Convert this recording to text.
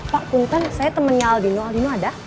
pak punten saya temennya aldino aldino ada